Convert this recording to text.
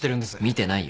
見てない。